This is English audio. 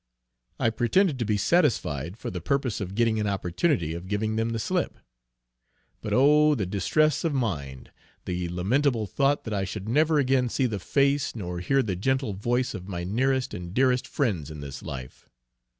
I pretended to be satisfied for the purpose of getting an opportunity of giving them the slip. But oh, the distress of mind, the lamentable thought that I should never again see the face nor hear the gentle voice of my nearest and dearest friends in this life.